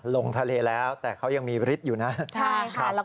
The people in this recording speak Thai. ลงทะเลแล้วแต่เขายังมีฤทธิ์อยู่นะใช่ค่ะ